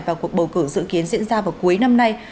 và cuộc bầu cử dự kiến diễn ra vào cuối năm nay